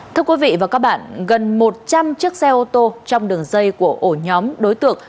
thưa quý vị và các bạn gần một trăm linh chiếc xe ô tô trong đường dây của ổ nhóm đối tượng